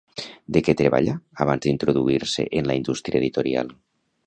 De què treballà abans d'introduir-se en la indústria editorial?